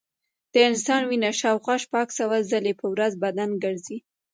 د انسان وینه شاوخوا شپږ سوه ځلې په ورځ بدن ګرځي.